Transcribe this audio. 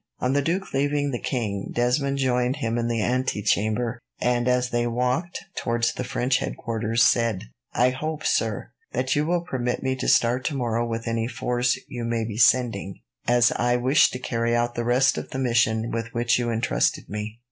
On the duke leaving the king, Desmond joined him in the antechamber, and as they walked towards the French headquarters, said: "I hope, sir, that you will permit me to start tomorrow with any force you may be sending, as I wish to carry out the rest of the mission with which you entrusted me."